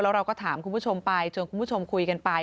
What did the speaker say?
เราก็ถามคุณผู้ชมไปชวนคุณผู้ชมคุยกันไป